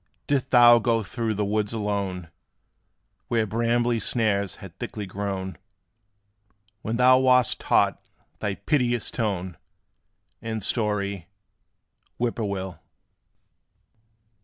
Didst thou go through the woods alone, Where brambly snares had thickly grown When thou wast taught thy piteous tone And story, "Whip poor will?"